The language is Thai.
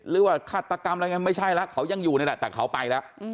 หรือว่าฆาตกรรมอะไรอย่างนั้นไม่ใช่แล้วเขายังอยู่เลยแต่เขาไปแล้ว